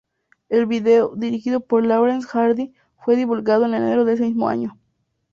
El video, dirigido por Lawrence Hardy, fue divulgado en enero de ese mismo año.